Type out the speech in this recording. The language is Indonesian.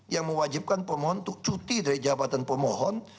yang mewajibkan pemohon untuk cuti dari jabatan pemohon